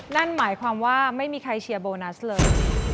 นั่นหมายความว่าไม่มีใครเชียร์โบนัสเลย